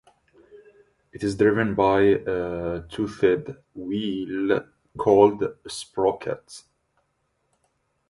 It is driven by a toothed wheel called a sprocket.